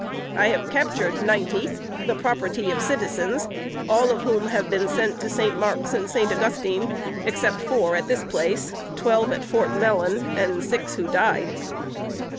I have captured ninety, the property of citizens; all of whom have been sent to St. Marks and St. Augustine, except four at this place, twelve at Fort Mellon, and six who died."